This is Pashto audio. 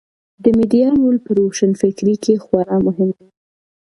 د میډیا رول په روښانفکرۍ کې خورا مهم دی.